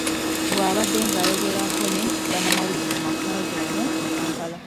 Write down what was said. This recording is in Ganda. Bw’abadde ng'ayogerako ne bannamawulire mu maka ge wano mu Kampala.